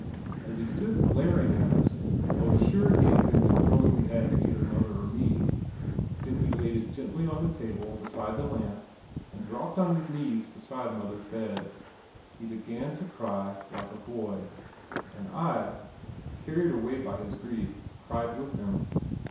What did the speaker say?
As he stood glaring at us I was sure he intended throwing the egg at either mother or me. Then he laid it gently on the table beside the lamp and dropped on his knees beside mother's bed. He began to cry like a boy and I, carried away by his grief, cried with him.